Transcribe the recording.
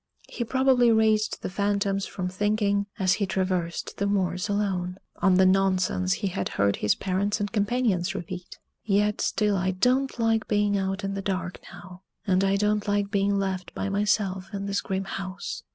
He probably raised the phantoms from thinking, as he traversed the moors alone, on the nonsense he had heard his parents and companions repeat; yet still I don't like being out in the dark now, and I don't like being left by myself in this grim house.